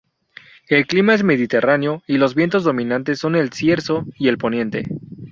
El clima es mediterráneo y los vientos dominantes son el cierzo y el poniente.